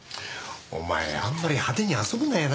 お前あんまり派手に遊ぶなよな。